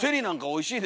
おいしい。